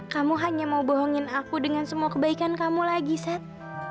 kamu hanya mau bohongin aku dengan semua kebaikan kamu lagi set